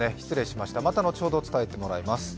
また後ほど伝えてもらいます。